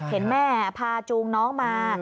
เห็นแม่พาจูงน้องมา